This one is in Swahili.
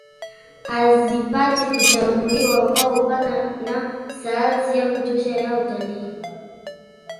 Hazipati kuchambuliwa kwa upana na sayansi ya kutosha ya utalii